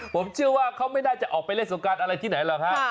ผมเชื่อว่าเขาไม่น่าจะออกไปเล่นสงการอะไรที่ไหนหรอกฮะ